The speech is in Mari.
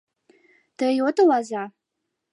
Тый отыл аза